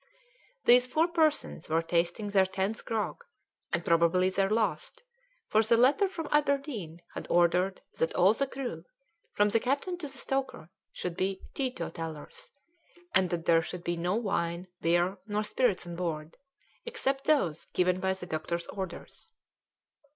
These four persons were tasting their tenth grog, and probably their last, for the letter from Aberdeen had ordered that all the crew, from the captain to the stoker, should be teetotallers, and that there should be no wine, beer, nor spirits on board except those given by the doctor's orders.